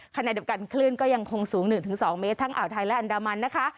ขณะเดียวกันคลื่นก็ยังคงสูง๑๒เมตรทั้งอ่าวไทยและอันดามันนะคะ